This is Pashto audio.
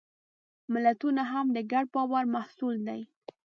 ملتونه هم د ګډ باور محصول دي.